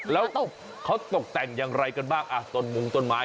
แล้วเขาตกแต่งอย่างไรกันบ้างอ่ะต้นมุงต้นไม้